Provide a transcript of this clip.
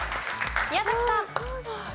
宮崎さん。